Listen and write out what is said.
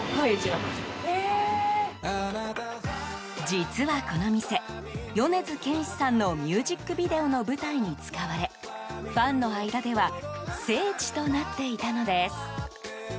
実はこの店、米津玄師さんのミュージックビデオの舞台に使われファンの間では聖地となっていたのです。